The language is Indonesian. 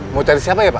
mau cari siapa ya pak